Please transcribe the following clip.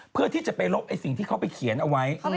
เพื่อที่จะไปลบสิ่งที่เขาไปเขียนเอาไว้